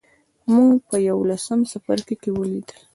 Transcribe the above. موږ په یوولسم څپرکي کې ولیدل.